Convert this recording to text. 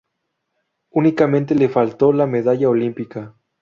Únicamente le faltó la medalla olímpica.